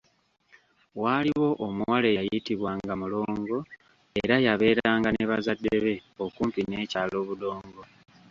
Waaliwo omuwala eyayitibwa nga Mulongo era yabeeranga ne bazadde be, okumpi n'ekyalo Budongo.